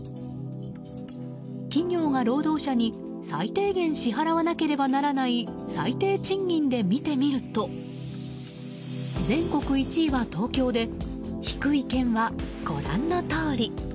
企業が労働者に最低限支払わなければならない最低賃金で見てみると全国１位は東京で低い県は、ご覧のとおり。